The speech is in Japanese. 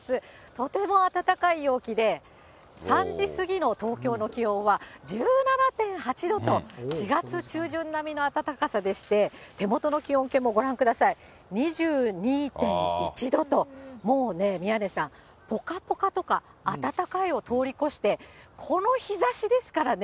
とても暖かい陽気で、３時過ぎの東京の気温は１７．８度と、４月中旬並みの暖かさでして、手元の気温計もご覧ください、２２．１度と、もうね、宮根さん、ぽかぽかとか暖かいを通り越して、この日ざしですからね。